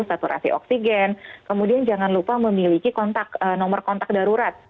saturasi oksigen kemudian jangan lupa memiliki kontak nomor kontak darurat